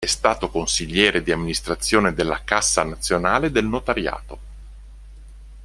È stato consigliere di amministrazione della Cassa nazionale del notariato.